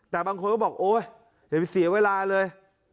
แต่บางคนก็บอกโอ๊ยอย่าไปเสียเวลาเลย